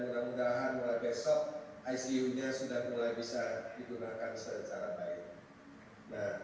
dan mudah mudahan mulai besok icu nya sudah mulai bisa digunakan secara baik